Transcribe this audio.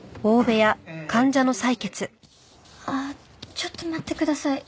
ああちょっと待ってください。